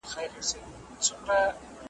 یک تنها د ګلو غېږ کي له خپل خیال سره زنګېږم ,